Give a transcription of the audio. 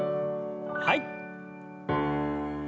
はい。